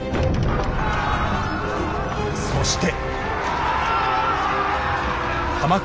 そして。